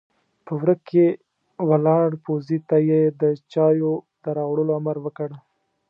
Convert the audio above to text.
په وره کې ولاړ پوځي ته يې د چايو د راوړلو امر وکړ!